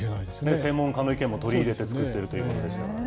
専門家の意見も取り入れてと言っているということですからね。